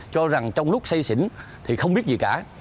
cho rằng trong lúc xây xỉn thì không biết gì cả